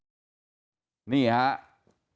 คือเขาบอกให้เท็กครูอันทุธิน